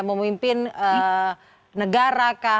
memimpin negara kah